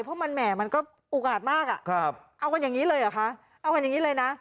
เพราะมันแหม่มันก็อุกอาจมากอ่ะครับเอากันอย่างนี้เลยเหรอคะเอากันอย่างนี้เลยนะ